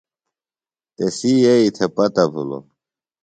تسی یئییۡ تھےۡ پتہ بِھلوۡ۔